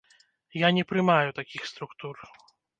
Я не прымаю такіх структур.